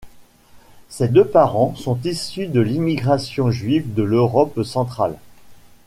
Ses deux parents sont issus de l'immigration juive de l'Europe centrale.